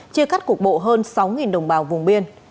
chia cắt cục bộ hơn sáu đồng bào vùng biên